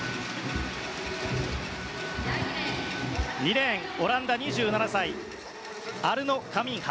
２レーン、オランダ、２７歳アルノ・カミンハ。